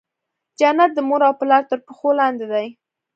جنت د مور او پلار تر پښو لاندي دی.